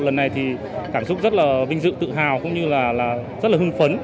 lần này thì cảm xúc rất là vinh dự tự hào cũng như là rất là hưng phấn